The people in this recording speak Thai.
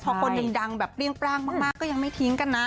เพราะคนดังแบบเปรี้ยงมากก็ยังไม่ทิ้งกันนะ